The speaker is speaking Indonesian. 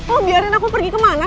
oh biarin aku pergi kemana